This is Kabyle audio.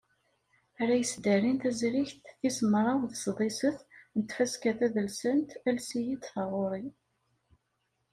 Ara yesdarin tazrigt tis mraw d sḍiset n tfaska tadelsant "Ales-iyi-d taẓuri".